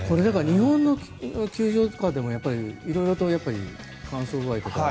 日本の球場とかでもいろいろと乾燥具合とかは。